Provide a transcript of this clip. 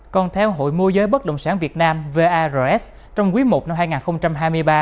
còn theo hội mua giới bất động sản việt nam trong quý i năm hai nghìn hai mươi ba